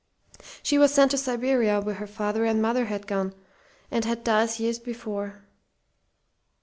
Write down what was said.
"She was sent to Siberia where her father and mother had gone, and had died years before.